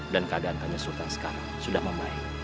dan keadaan tanya sultan sekarang sudah membaik